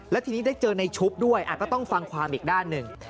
และทีนี้ได้เจอในชุบด้วยก็ต้องฟังความอีกด้านหนึ่ง